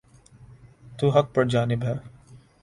تو حق بجانب ہیں۔